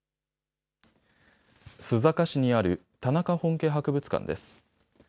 須坂市にある田中本家博物館です。